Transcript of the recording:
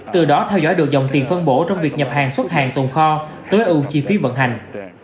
từ đó theo dõi được dòng tiền phân bổ trong việc nhập hàng xuất hàng tồn kho tối ưu chi phí vận hành